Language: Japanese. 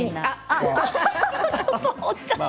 あっ！